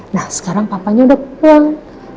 nah sekarang papanya udah pulang